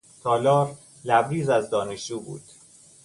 تالار لبریز از دانشجو بود.